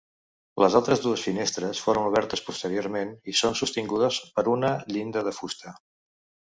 Les altres dues finestres foren obertes posteriorment i són sostingudes per una llinda de fusta.